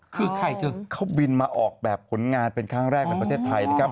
คือใครจะเข้าบินมาออกแบบผลงานเป็นครั้งแรกในประเทศไทยนะครับ